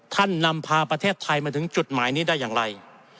นำพาประเทศไทยมาถึงจุดหมายนี้ได้อย่างไร